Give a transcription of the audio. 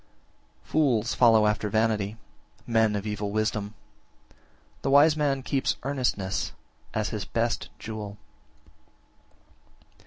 26. Fools follow after vanity, men of evil wisdom. The wise man keeps earnestness as his best jewel.